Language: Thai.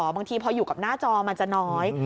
บางทีพออยู่กับหน้าจอมันจะน้อย